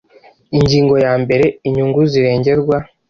Ingingo ya mbere Inyungu zirengerwa